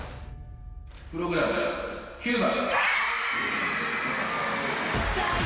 プログラム９番。